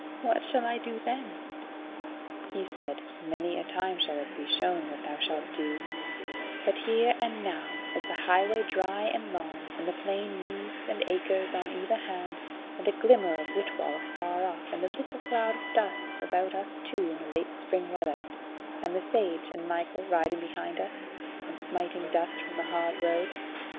What shall I do then?" He said: "Many a time shall it be shown what thou shalt do; but here and now is the highway dry and long, and the plain meads and acres on either hand, and a glimmer of Whitwall afar off, and the little cloud of dust about us two in the late spring weather; and the Sage and Michael riding behind us, and smiting dust from the hard road.